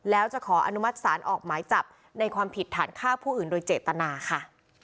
แล้วจะขออนุมัติศาลออกหมายจับในความผิดฐานฆ่าผู้อื่นโดยเจตนาค่ะ